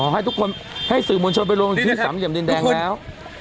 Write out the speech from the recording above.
ให้ทุกคนให้สื่อมวลชนไปลงที่สามเหลี่ยมดินแดงแล้ว